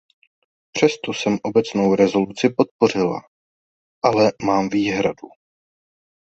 Přesto jsem obecnou rezoluci podpořila, ale mám výhradu.